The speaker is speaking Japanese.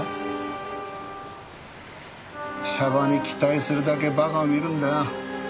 娑婆に期待するだけ馬鹿を見るんだよ。